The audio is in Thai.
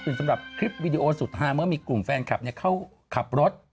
สำหรับคลิปวิดีโอสุดฮาเมื่อมีกลุ่มแฟนคลับเข้าขับรถ